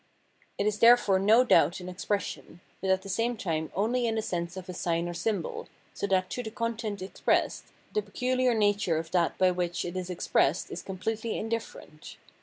It is therefore no doubt an expression, but at tlie same time only in the sense of a sign or symbol, so that to the content expressed the peculiar nature of that by which it is expressed is completely indifferent.